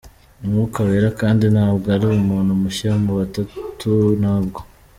Umwuka Wera kandi ntabwo ari umuntu mushya mu butatu, ntabwo.